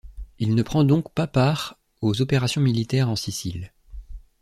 Il ne prend donc pas part aux opérations militaires en Sicile.